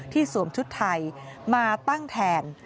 สวมชุดไทยมาตั้งแทน